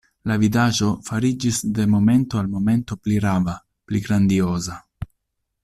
La vidaĵo fariĝis de momento al momento pli rava, pli grandioza.